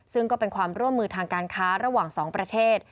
ซึ่งก็เป็นความร่วมมือทางการค้าระหว่างสองประเทศ